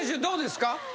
どうですか？